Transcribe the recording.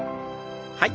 はい。